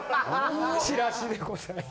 チラシでございます。